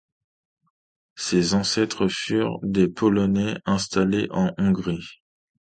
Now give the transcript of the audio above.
Ses ancêtres furent des Polonais installés en Hongrie.